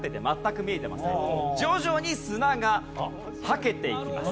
徐々に砂がはけていきます。